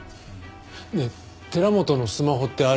ねえ寺本のスマホってある？